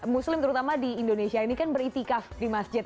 muslim terutama di indonesia ini kan beritikaf di masjid